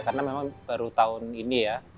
karena memang baru tahun ini ya